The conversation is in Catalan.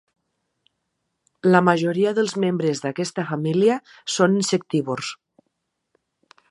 La majoria dels membres d'aquesta família són insectívors.